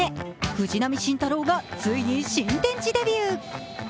藤浪晋太郎がついに新天地デビュー。